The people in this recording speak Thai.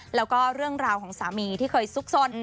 แล้วก็เรื่องราวของสามีที่เคยซุกซน